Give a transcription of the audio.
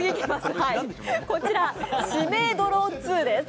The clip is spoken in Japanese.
こちら指名ドロー２です。